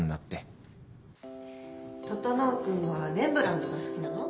整君はレンブラントが好きなの？